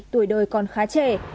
tuổi đời còn khá chắc